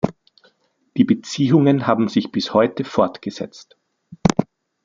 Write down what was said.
Die Beziehungen haben sich bis heute fortgesetzt.